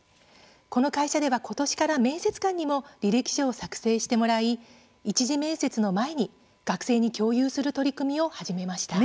この会社では今年から面接官にも履歴書を作成してもらい１次面接の前に学生に共有する取り組みを始めました。